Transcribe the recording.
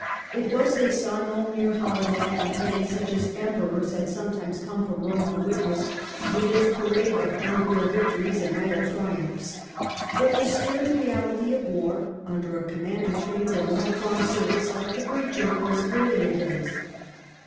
It was, they saw, no mere holiday campaign such as Emperors had sometimes come from Rome to witness, with its parade of unreal victories and idle triumphs, but the stern reality of war under a commander trained in life long service, like the great generals of earlier days.